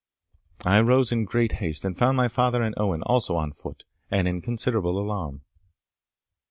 I rose in great haste, and found my father and Owen also on foot, and in considerable alarm.